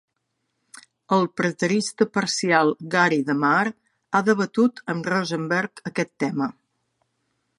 El preterista parcial Gary DeMar ha debatut amb Rosenberg aquest tema.